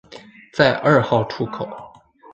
在二号出口